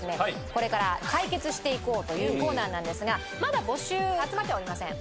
これから解決していこうというコーナーなんですがまだ募集集まっておりません。